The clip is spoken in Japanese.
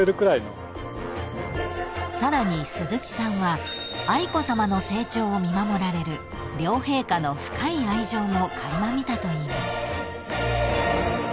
［さらに鈴木さんは愛子さまの成長を見守られる両陛下の深い愛情も垣間見たといいます］